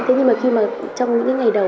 thế nhưng mà trong những ngày đầu